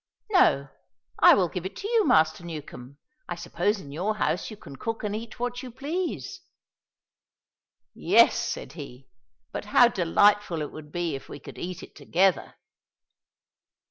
No, I will give it to you, Master Newcombe; I suppose in your house you can cook and eat what you please." "Yes," said he; "but how delightful it would be if we could eat it together."